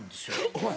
お前。